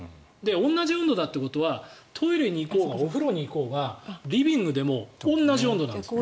同じ温度だということはトイレに行こうがお風呂に行こうがリビングでも同じ温度なんです。